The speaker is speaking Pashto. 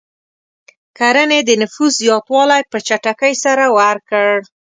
کرنې د نفوس زیاتوالی په چټکۍ سره ورکړ.